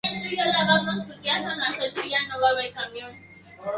Era dos años mayor que su hermano Barthel.